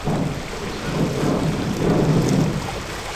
Usafi wa mazingira na afya ya umma